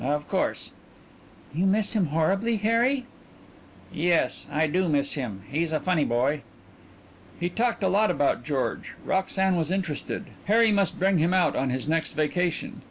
"Of course " "You miss him horribly, Harry?" "Yes I do miss him. He's a funny boy " He talked a lot about George. Roxanne was interested. Harry must bring him out on his next vacation.